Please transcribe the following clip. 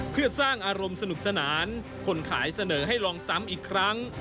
เพื่อสร้างอารมณ์สนุกสนานคนขายเสนอให้ลองซ้ำอีกครั้ง